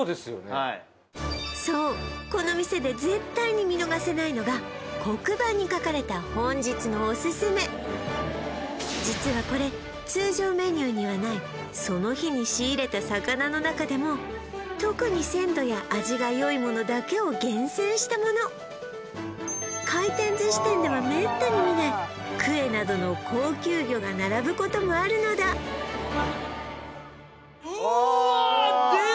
はいそうこの店で絶対に見逃せないのが黒板に書かれた本日のおすすめ実はこれ通常メニューにはないその日に仕入れた魚の中でも特に鮮度や味がよいものだけを厳選したもの回転寿司店ではめったに見ないクエなどの高級魚が並ぶこともあるのだうわでかっ！